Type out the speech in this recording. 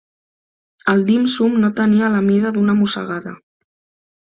El Dim Sum no tenia la mida d'una mossegada.